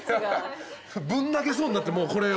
ぶん投げそうになってもうこれを。